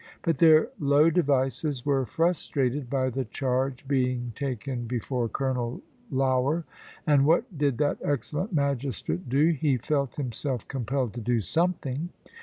But their low devices were frustrated by the charge being taken before Colonel Lougher. And what did that excellent magistrate do? He felt himself compelled to do something.